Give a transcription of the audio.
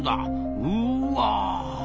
うわ。